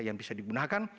yang bisa digunakan